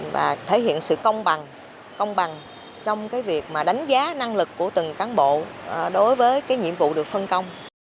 và thể hiện sự công bằng trong việc đánh giá năng lực của từng cán bộ đối với nhiệm vụ được phân công